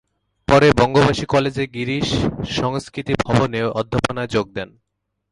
পরে বঙ্গবাসী কলেজে গিরিশ সংস্কৃতি ভবনে অধ্যাপনায় যোগ দেন।